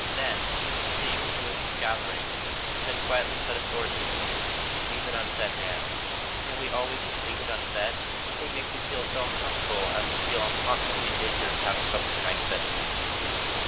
Then, seeing what was gathering, she said quietly but authoritatively: "Leave it unsaid, Ann. Can't we always just leave it unsaid? Nothing makes me so uncomfortable as to feel I'm constantly in danger of having something nice said to me."